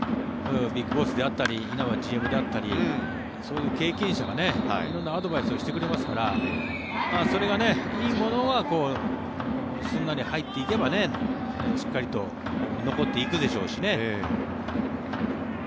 ＢＩＧＢＯＳＳであったり稲葉ＧＭであったりそういう経験者が色んなアドバイスをしてくれますからそれが、いいものがすんなり入っていけばしっかりと残っていくでしょうし。